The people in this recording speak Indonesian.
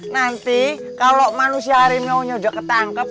nanti kalau manusia harimau nya udah ketangkep